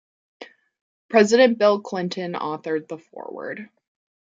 President Bill Clinton authored the foreword.